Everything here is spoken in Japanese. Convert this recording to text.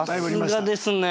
さすがですね。